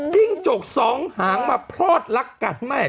จิ้งจกสองหางมาพลอดรักกันไม่